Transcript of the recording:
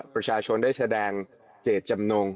ประชาชนได้แสดงเจตจำนง